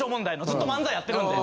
ずっと漫才やってるんで。